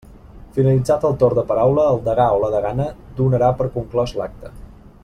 Finalitzat el torn de paraula, el degà o la degana donarà per conclòs l'acte.